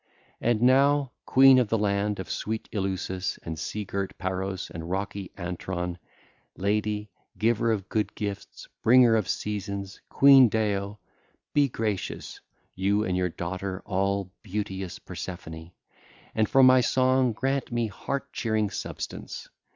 (ll. 490 495) And now, queen of the land of sweet Eleusis and sea girt Paros and rocky Antron, lady, giver of good gifts, bringer of seasons, queen Deo, be gracious, you and your daughter all beauteous Persephone, and for my song grant me heart cheering substance.